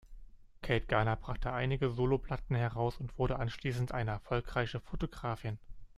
Kate Garner brachte einige Soloplatten heraus und wurde anschließend eine erfolgreiche Fotografin.